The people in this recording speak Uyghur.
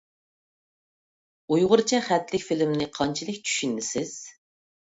ئۇيغۇرچە خەتلىك فىلىمنى قانچىلىك چۈشىنىسىز؟